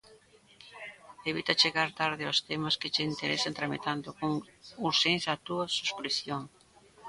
Evita chegar tarde aos temas que che interesan tramitando con urxencia a túa subscrición!